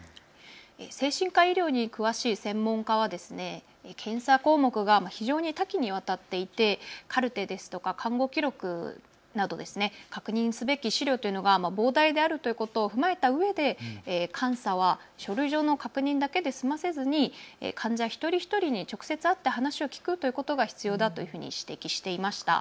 精神科医療に詳しい専門家は検査項目が非常に多岐にわたっていてカルテですとか看護記録など確認すべき資料が膨大であるということを踏まえたうえで監査は書類上の確認だけで済ませずに患者一人一人に直接会って話を聞くということが必要だというふうに指摘していました。